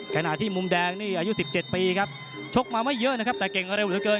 ขณะที่มุมแดงนี่อายุ๑๗ปีครับชกมาไม่เยอะนะครับแต่เก่งเร็วเหลือเกิน